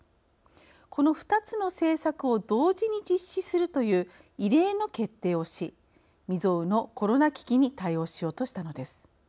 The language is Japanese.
この２つの政策を同時に実施するという異例の決定をし未曽有のコロナ危機に対応しようとしたのです。